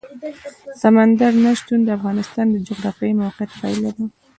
سمندر نه شتون د افغانستان د جغرافیایي موقیعت پایله ده.